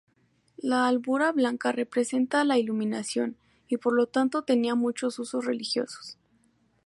La albura blanca representa la iluminación, y por lo tanto tenía muchos usos religiosos.